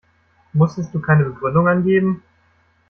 Musstest du keine Begründung angeben?